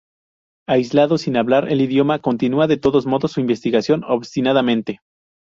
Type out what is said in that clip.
Aislado, sin hablar el idioma, continúa de todos modos su investigación obstinadamente.